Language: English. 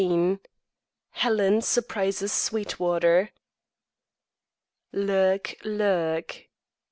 XV HELEN SURPRISES SWEETWATER Lurk, lurk.